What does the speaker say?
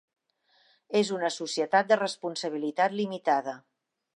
És una societat de responsabilitat limitada.